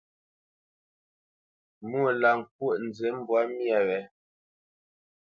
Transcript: Mwô lâ ŋkwóʼ nzi mbwǎ myâ wě.